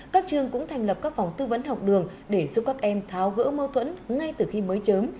các trường cũng thành lập các phòng tư vấn học đường để giúp các em tháo gỡ mâu thuẫn ngay từ khi mới chớm